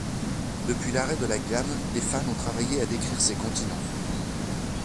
Depuis l'arrêt de la gamme, des fans ont travaillé à décrire ces continents.